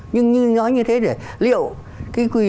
nhưng nói như thế để liệu